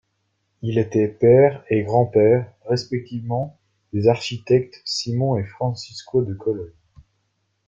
Il était père et grand-père, respectivement, des architectes Simon et Francisco de Cologne.